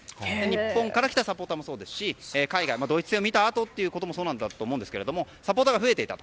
日本から来たサポーターもそうですし海外、ドイツ戦を見たあとということもそうだと思うんですけどサポーターが増えていた。